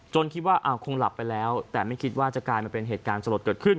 คิดว่าคงหลับไปแล้วแต่ไม่คิดว่าจะกลายมาเป็นเหตุการณ์สลดเกิดขึ้น